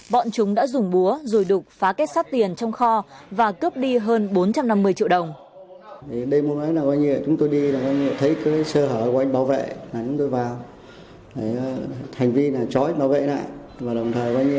bọn chúng đã dùng búa rồi đục phá kết sát tiền trong kho và cướp đi hơn bốn trăm năm mươi triệu đồng